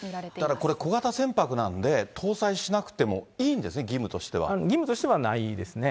だからこれ、小型船舶なんで、搭載しなくてもいいんですね、義義務としてはないですね。